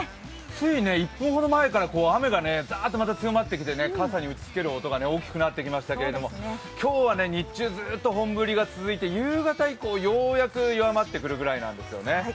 つい１分ほど前から雨がざーっと強くなってきたけど傘に打ちつける音が大きくなってきましたけれども、今日は日中ずっと本降りが続いて夕方以降、ようやく弱まってくるくらいなんですよね。